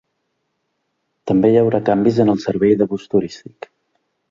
També hi haurà canvis en el servei de bus turístic.